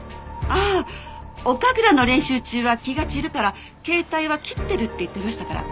ああお神楽の練習中は気が散るから携帯は切ってるって言ってましたから。